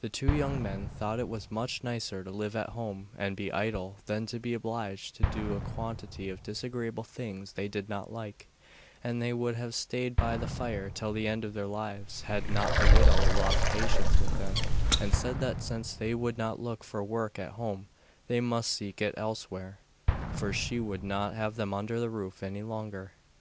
The two young men thought it was much nicer to live at home and be idle than to be obliged to do a quantity of disagreeable things they did not like, and they would have stayed by the fire till the end of their lives had not the widow lost patience with them and said that since they would not look for work at home they must seek it elsewhere, for she would not have them under her roof any longer.